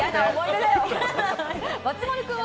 松丸君は？